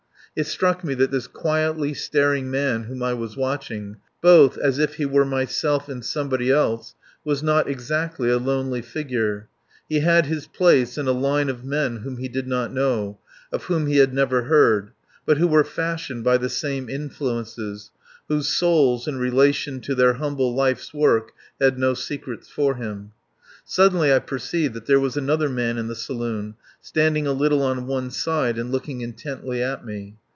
It struck me that this quietly staring man whom I was watching, both as if he were myself and somebody else, was not exactly a lonely figure. He had his place in a line of men whom he did not know, of whom he had never heard; but who were fashioned by the same influences, whose souls in relation to their humble life's work had no secrets for him. Suddenly I perceived that there was another man in the saloon, standing a little on one side and looking intently at me.